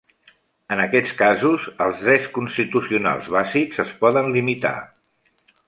En aquests casos, els drets constitucionals bàsics es poden limitar.